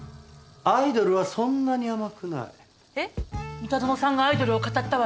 三田園さんがアイドルを語ったわよ。